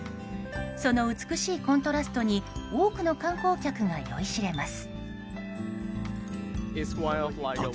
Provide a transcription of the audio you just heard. その美しいコントラストに多くの観光客が酔いしれます。